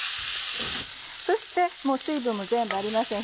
そしてもう水分も全部ありません。